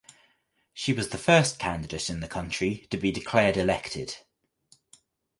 She was the first candidate in the country to be declared elected.